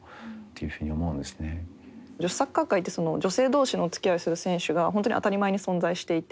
女子サッカー界って女性同士のおつきあいをする選手が本当に当たり前に存在していて。